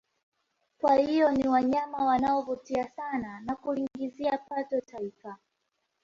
Kwa hiyo ni wanyama wanao vutia sana na kuliingizia pato taifa